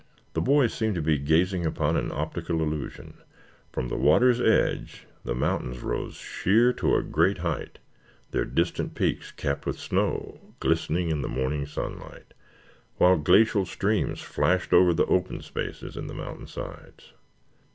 The boys seemed to be gazing upon an optical illusion. From the water's edge the mountains rose sheer to a great height, their distant peaks capped with snow glistening in the morning sunlight, while glacial streams flashed over the open spaces on the mountain sides.